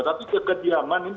tapi kesediaman ini ya